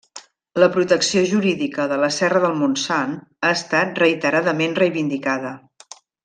La protecció jurídica de la serra del Montsant ha estat reiteradament reivindicada.